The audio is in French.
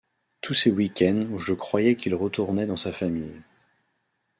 Tous ces weekends où je croyais qu'il retournait dans sa famille.